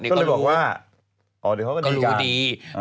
เดี๋ยวก็รู้ก็รู้ดีก็เลยบอกว่าอ๋อเดี๋ยวเขาก็ดีกัน